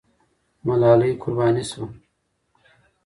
ملالۍ قرباني سوه.